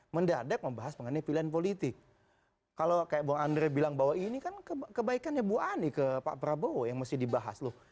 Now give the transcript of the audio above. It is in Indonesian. mendadak membahas mengenai pilihan politik kalau kayak bang andre bilang bahwa ini kan kebaikannya bu ani ke pak prabowo yang mesti dibahas loh